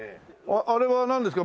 あれはなんですか？